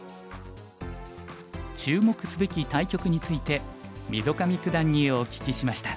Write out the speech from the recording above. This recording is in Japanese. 注目すべき対局について溝上九段にお聞きしました。